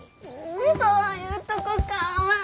んそういうとこかわいい！